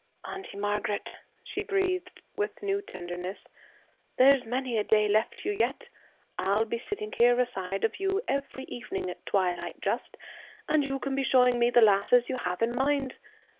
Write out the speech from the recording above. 'Auntie Margaret,' she breathed, with new tenderness, 'there's many a day left you yet. I'll be sitting here aside of you every evening at twilight just, and you can be showing me the lasses you have in mind.